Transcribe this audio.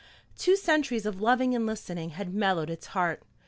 Two centuries of loving and listening had mellowed its heart.